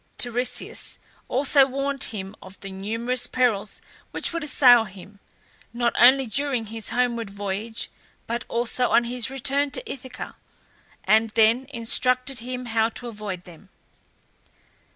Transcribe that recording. Tiresias also warned him of the numerous perils which would assail him, not only during his homeward voyage but also on his return to Ithaca, and then instructed him how to avoid them.